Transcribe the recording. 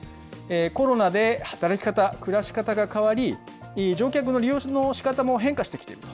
コロナで働き方、暮らし方が変わり、乗客の利用のしかたも変化してきていると。